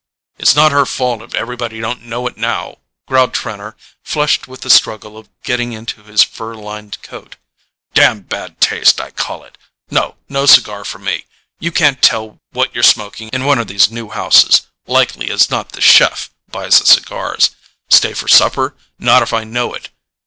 "It's not her fault if everybody don't know it now," growled Trenor, flushed with the struggle of getting into his fur lined coat. "Damned bad taste, I call it—no, no cigar for me. You can't tell what you're smoking in one of these new houses—likely as not the CHEF buys the cigars. Stay for supper? Not if I know it!